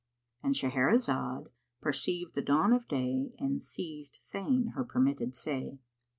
—And Shahrazad perceived the dawn of day and ceased saying her permitted say.